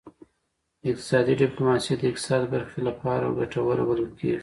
اقتصادي ډیپلوماسي د اقتصاد برخې لپاره ګټوره بلل کیږي